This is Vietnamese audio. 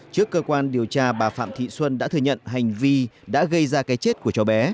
trước cơ quan điều tra bà phạm thị xuân đã thừa nhận hành vi đã gây ra cái chết của cháu bé